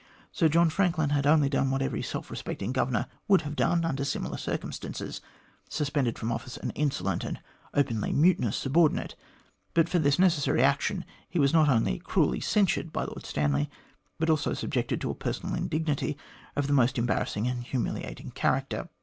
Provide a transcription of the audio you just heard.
Sir John Frank lin had only done what every self respecting Governor would have done under similar circumstances suspended from office an insolent and openly mutinous subordinate but for this necessary action he was not only cruelly censured by Lord Stanley, but also subjected to a personal indignity of the most embarrassing and humiliating character.